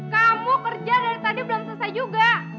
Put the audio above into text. kamu kerja dari tadi belum selesai juga